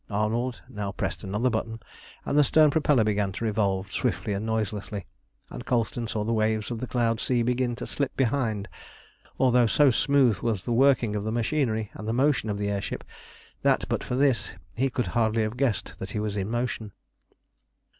Arnold now pressed another button, and the stern propeller began to revolve swiftly and noiselessly, and Colston saw the waves of the cloud sea begin to slip behind, although so smooth was the working of the machinery, and the motion of the air ship, that, but for this, he could hardly have guessed that he was in motion.